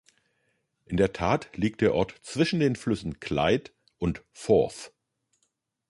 In der Tat liegt der Ort zwischen den Flüssen Clyde und Forth.